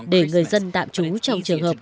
để người dân tạm trú trong trường hợp